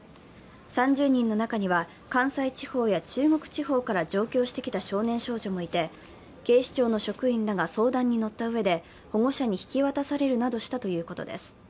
３０人の中には関西地方や中国地方から上京してきた少年少女もいて、警視庁の職員らが相談に乗ったうえで保護者に引き渡されるなどしたということです。